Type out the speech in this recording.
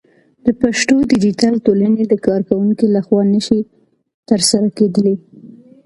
د پښتو ديجيتل ټولنې د کارکوونکو لخوا نشي ترسره کېدلى